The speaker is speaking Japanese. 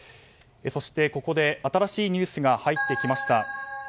そしてここで新しいニュースが入ってきました。